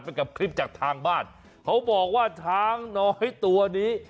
กับคลิปจากทางบ้านเขาบอกว่าช้างน้อยตัวนี้